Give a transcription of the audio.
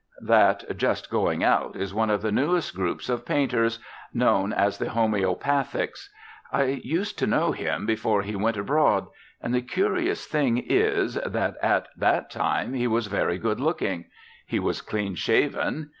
That, just going out, is one of the newest groups of painters, known as the Homeopathics. I used to know him before he went abroad. And the curious thing is, that at that time he was very good looking. He was clean shaven.